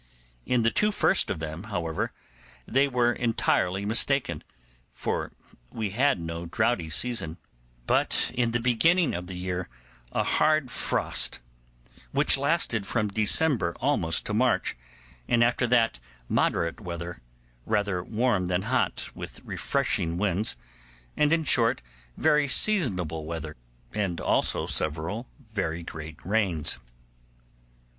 In the two first of them, however, they were entirely mistaken, for we had no droughty season, but in the beginning of the year a hard frost, which lasted from December almost to March, and after that moderate weather, rather warm than hot, with refreshing winds, and, in short, very seasonable weather, and also several very great rains.